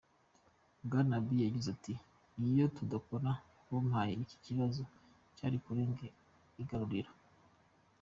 Bwana Abiy yagize ati: "Iyo tudakora pompaje iki kibazo cyari kurenga igaruriro.